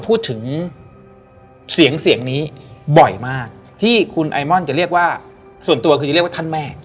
พูดถึงเสียงเสียงนี้บ่อยมากที่คุณไอมอนจะเรียกว่าส่วนตัวคือจะเรียกว่าท่านแม่